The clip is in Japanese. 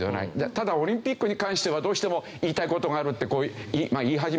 ただオリンピックに関してはどうしても言いたい事があるって言い始めてますけど。